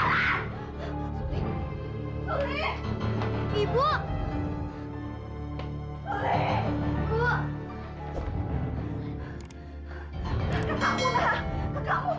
waktu ibu berangkat sama bapak